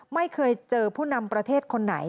ไม่เคยเจอผู้นำประเทศคนไหน